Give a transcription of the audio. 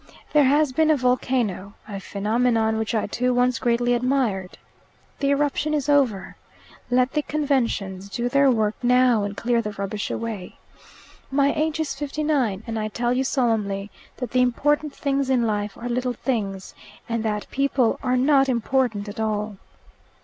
There has been a volcano a phenomenon which I too once greatly admired. The eruption is over. Let the conventions do their work now, and clear the rubbish away. My age is fifty nine, and I tell you solemnly that the important things in life are little things, and that people are not important at all.